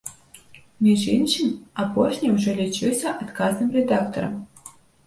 Між іншым, апошні ўжо лічыўся адказным рэдактарам.